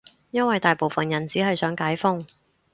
因爲大部分人只係想解封